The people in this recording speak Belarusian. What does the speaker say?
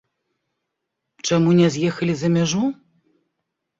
Чаму не з'ехалі за мяжу?